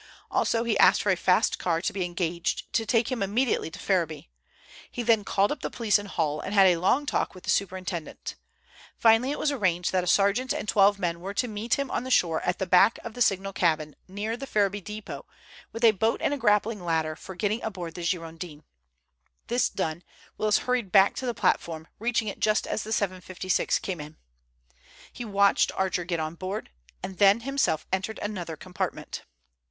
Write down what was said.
Also he asked for a fast car to be engaged to take him immediately to Ferriby. He then called up the police in Hull, and had a long talk with the superintendent. Finally it was arranged that a sergeant and twelve men were to meet him on the shore at the back of the signal cabin near the Ferriby depot, with a boat and a grappling ladder for getting aboard the Girondin. This done, Willis hurried back to the platform, reaching it just as the 7.56 came in. He watched Archer get on board, and then himself entered another compartment.